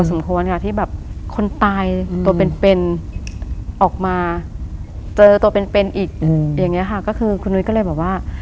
สมควรค่ะที่แบบคนตายตัวเป็นเป็นออกมาเจอตัวเป็นเป็นอีกอย่างนี้ค่ะก็คือคุณนุ้ยก็เลยแบบว่า